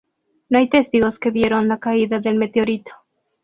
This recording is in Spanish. No hay testigos que vieron la caída del meteorito.